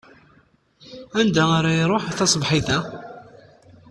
Anda ara iṛuḥ tasebḥit-a?